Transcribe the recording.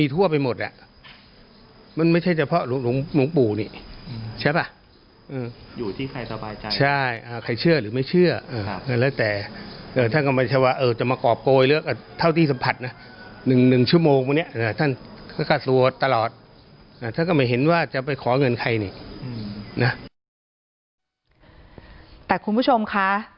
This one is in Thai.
แต่คุณผู้ชมคะ